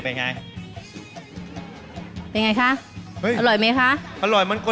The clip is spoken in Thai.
เป็นไงคะอร่อยมั้ยคะ